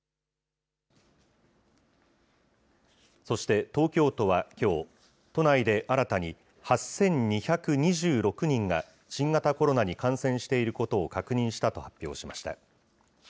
そして東京都はきょう、都内で新たに８２２６人が、新型コロナに感染していることを確認したと発表しました。